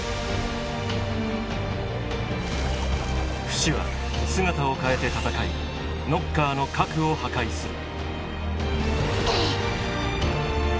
フシは姿を変えて戦いノッカーの「核」を破壊する。